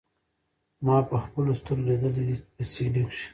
ما پخپلو سترګو ليدلي دي په سي ډي کښې.